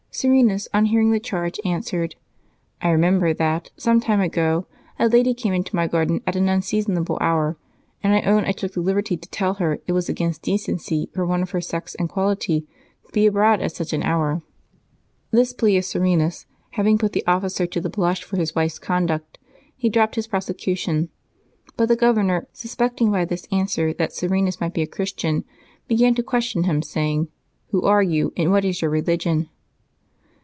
Serenus, on hearing the charge, answered, " I remember that, some time ago, a ladj came into my garden at an unseasonable hour, and I own I took the liberty to tell her it was against decenc}^ for one of her sex and quality to be abroad at such an hour." This plea of Serenus having put the officer to the blush for his wife's conduct, he dropped his prosecution. But the governor, suspecting by this answer that Serenus might be a Christian, began to question him, saying, " Who are you, and what is your religion